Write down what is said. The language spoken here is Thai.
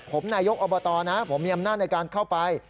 ผมนายกอบตนะผมมีอำนาจในการเข้าไป